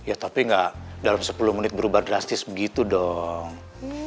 ya tapi nggak dalam sepuluh menit berubah drastis begitu dong